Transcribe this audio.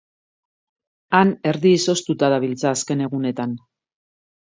Han erdi izoztuta dabiltza azken egunetan.